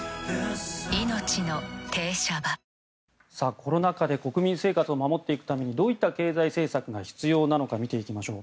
コロナ禍で国民生活を守っていくためにどういった経済政策が必要なのか見ていきましょう。